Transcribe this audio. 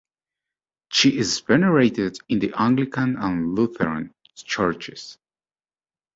She is venerated in the Anglican and Lutheran churches.